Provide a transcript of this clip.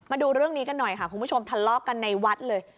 มาดูเรื่องนี้กันหน่อยค่ะคุณผู้ชมทะเลาะกันในวัดเลย